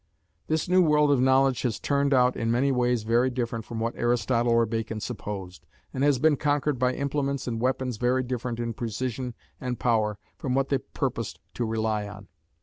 This new world of knowledge has turned out in many ways very different from what Aristotle or Bacon supposed, and has been conquered by implements and weapons very different in precision and power from what they purposed to rely on.